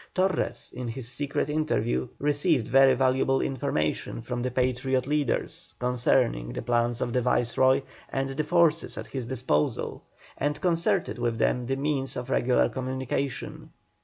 Torres in his secret interview received very valuable information from the Patriot leaders concerning the plans of the Viceroy and the forces at his disposal, and concerted with them the means of regular communication.